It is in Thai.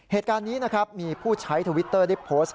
เหตุการณ์นี้นะครับมีผู้ใช้ทวิตเตอร์ได้โพสต์